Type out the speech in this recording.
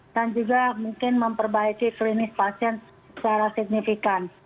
dan juga mungkin memperbaiki klinis pasien secara signifikan